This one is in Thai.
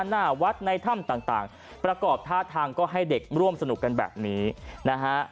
หน้าวัดในถ้ำต่างประกอบท่าทางก็ให้เด็กร่วมสนุกกันแบบนี้นะฮะ